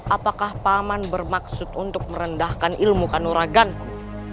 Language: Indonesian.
apakah paman bermaksud untuk merendahkan ilmu kanoraganku